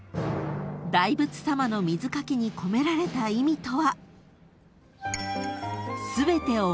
［大仏様の水かきに込められた意味とは］